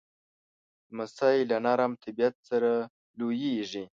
لمسی له نرم طبیعت سره لویېږي.